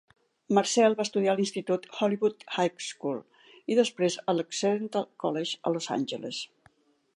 Marcel va estudiar a l'institut Hollywood High School, i després a l'Occidental College, a Los Angeles.